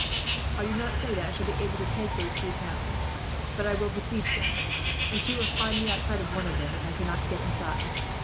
I do not say that I shall be able to take those three towns, but I will besiege them; and she will find me outside one of them, if I cannot get inside.